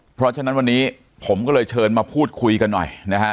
เพราะฉะนั้นวันนี้ผมก็เลยเชิญมาพูดคุยกันหน่อยนะฮะ